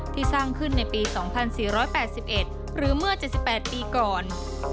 สร้างขึ้นในปี๒๔๘๑หรือเมื่อ๗๘ปีก่อน